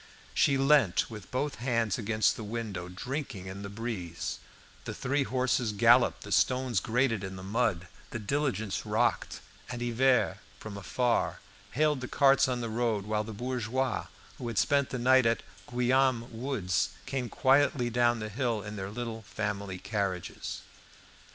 She leant with both hands against the window, drinking in the breeze; the three horses galloped, the stones grated in the mud, the diligence rocked, and Hivert, from afar, hailed the carts on the road, while the bourgeois who had spent the night at the Guillaume woods came quietly down the hill in their little family carriages.